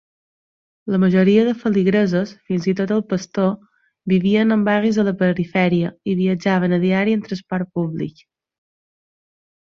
La majoria de feligresos, fins i tot el pastor, vivien en barris de la perifèria i viatjaven a diari en transport públic.